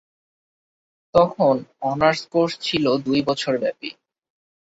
তখন honours course ছিল দুই বছর ব্যাপী।